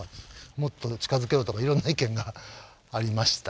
もっと近づけようとかいろんな意見がありました。